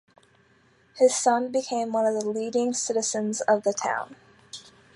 His son became one of the leading citizens of the town.